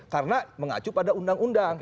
karena mengacu pada undang undang